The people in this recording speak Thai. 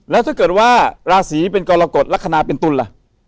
แล้วถ้าเกิดว่าราศีเป็นกรกฎลักษณะเป็นตุลล่ะ